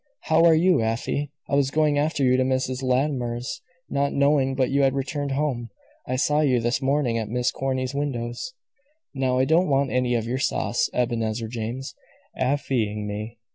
"How are you, Afy? I was going after you to Mrs. Latimer's, not knowing but you had returned home. I saw you this morning at Miss Corny's windows." "Now, I don't want any of your sauce, Ebenezer James. Afy ing me!